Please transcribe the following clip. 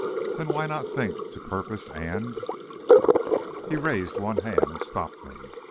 Then why not think to purpose and " He raised one hand and stopped me.